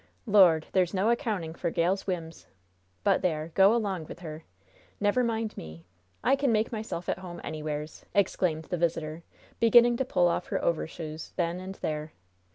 Lord! there's no accounting for gals' whims! But there! go along with her. Never mind me; I can make myself at home anywheres!" exclaimed the visitor, beginning to pull off her overshoes then and there.